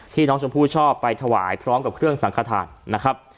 น้องชมพู่ชอบไปถวายพร้อมกับเครื่องสังขทานนะครับ